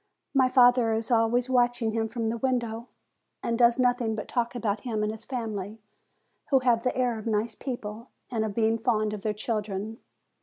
My father is always watching him from the window, and does nothing but talk about him and his family, who have the air of nice people, and of being fond of their children.